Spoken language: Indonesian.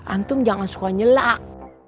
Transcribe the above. antum jangan suka nyelak